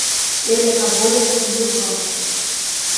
Ele acabou de assumir o banco.